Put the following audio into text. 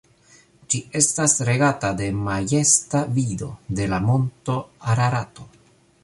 Ĝi estas regata de majesta vido de la monto Ararato.